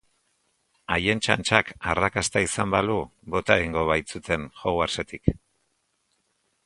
Haien txantxak arrakasta izan balu, bota egingo baitzuten Hogwartsetik.